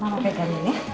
mama pegangin ya